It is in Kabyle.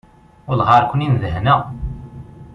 Welleh ara ken-in-dehneɣ.